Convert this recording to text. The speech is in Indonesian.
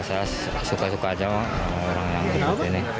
saya suka suka saja dengan orang yang seperti ini